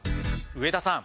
上田さん